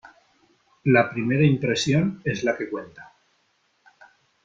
La primera impresión es la que cuenta.